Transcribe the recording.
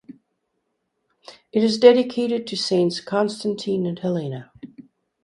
It is dedicated to Saints Constantine and Helena.